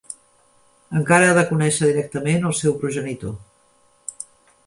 Encara ha de conèixer directament el seu progenitor.